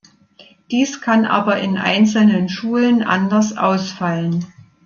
Dies kann aber in einzelnen Schulen anders ausfallen.